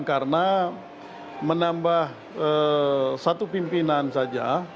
karena menambah satu pimpinan saja